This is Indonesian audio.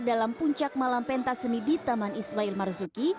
dalam puncak malam pentas seni di taman ismail marzuki